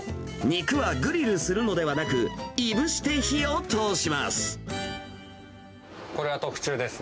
肉はグリルするのではなく、いぶして火を通します。